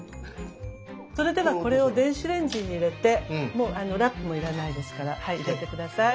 それではこれを電子レンジに入れてもうラップも要らないですからはい入れて下さい。